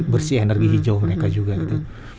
bersih energi hijau mereka juga gitu